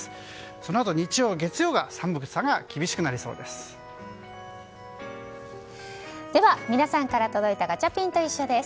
そのあと日曜、月曜は寒さが厳しくなりそうです。